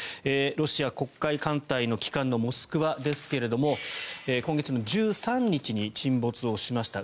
ロシア黒海艦隊の旗艦「モスクワ」ですが今月１３日に沈没しました。